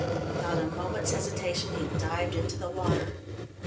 Without a moment's hesitation he dived into the water.